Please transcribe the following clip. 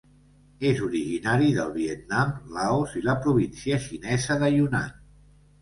És originari del Vietnam, Laos i la província xinesa de Yunnan.